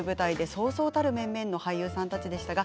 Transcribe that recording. そうそうたる面々の俳優さんたちでしたが